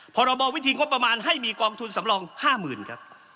พรบวิธีงบประมาณให้มีกองทุนสำรอง๕๐๐๐ครับ